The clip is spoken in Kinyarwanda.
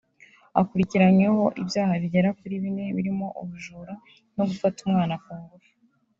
Akurikiranyweho ibyaha bigera kuri bine birimo ubujura no gufata umwana ku ngufu